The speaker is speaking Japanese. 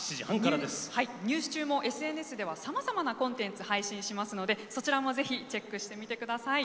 ニュース中もＳＮＳではさまざまなコンテンツ配信しますのでそちらも是非チェックしてみてください。